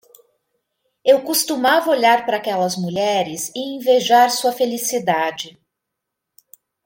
Eu costumava olhar para aquelas mulheres e invejar sua felicidade.